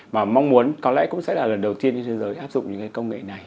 và mong muốn có lẽ cũng sẽ là lần đầu tiên trên thế giới áp dụng những công nghệ này